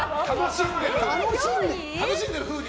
楽しんでるのに。